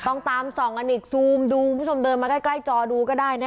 ต้องตามส่องกันอีกซูมดูคุณผู้ชมเดินมาใกล้จอดูก็ได้นะ